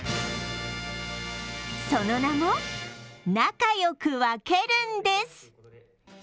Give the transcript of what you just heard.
その名も「仲良く分けるんです」。